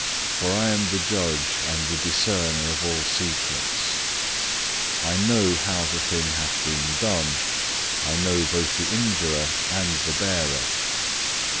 For I am the Judge and the Discerner of all secrets; I know how the thing hath been done; I know both the injurer and the bearer.